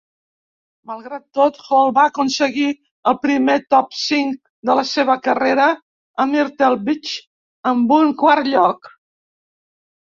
Malgrat tot, Hall va aconseguir el primer top cinc de la seva carrera a Myrtle Beach amb un quart lloc.